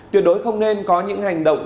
tuyệt đối không nên có những hành động